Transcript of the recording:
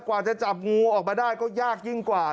กว่าจะจับงูออกมาได้ก็ยากยิ่งกว่า